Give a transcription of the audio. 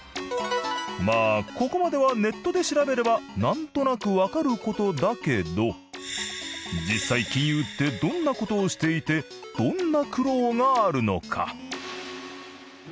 まあここまではネットで調べればなんとなくわかる事だけど実際金融ってどんな事をしていてどんな苦労があるのか？